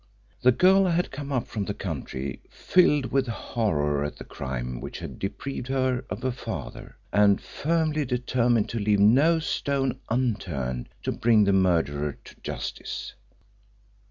The girl had come up from the country filled with horror at the crime which had deprived her of a father, and firmly determined to leave no stone unturned to bring the murderer to justice.